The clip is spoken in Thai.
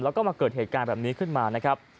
แล้วก็มาเกิดเหตุการณ์แบบนี้ขึ้นมานะครับ